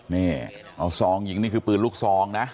นี่เอาซองยิงนี่คือปืนลูกซองนะ